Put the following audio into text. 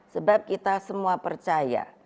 sebab kita semua percaya